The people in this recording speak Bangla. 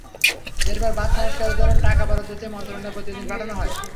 এরপর বাঁধ সংস্কারের জন্য টাকা বরাদ্দ চেয়ে মন্ত্রণালয়ে প্রতিবেদন পাঠানো হয়।